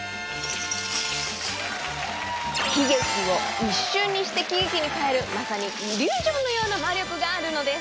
悲劇を一瞬にして喜劇に変えるまさにイリュージョンのような魔力があるのです。